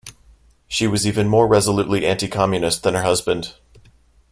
She was even more resolutely anti-Communist than her husband.